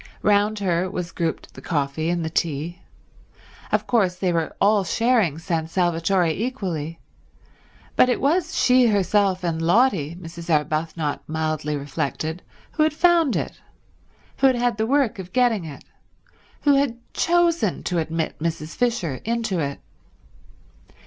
Round her was grouped the coffee and the tea. Of course they were all sharing San Salvatore equally, but it was she herself and Lotty, Mrs. Arbuthnot mildly reflected, who had found it, who had had the work of getting it, who had chosen to admit Mrs. Fisher into it.